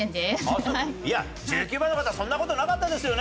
いや１９番の方そんな事なかったですよね？